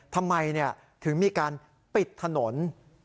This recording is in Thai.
ทำไมถึงมีการปิดถนน